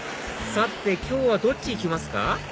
さて今日はどっち行きますか？